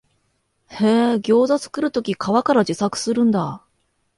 へえ、ギョウザ作るとき皮から自作するんだ